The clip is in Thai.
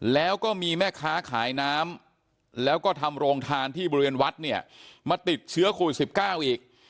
แล้วก็มีแม่ค้าขายน้ำแล้วก็ทำโรงทานที่บริเวณวัดเนี่ยมาติดเชื้อโควิด๑๙อีก